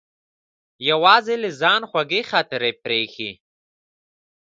یوازې له ځانه خوږې خاطرې پرې ایښې.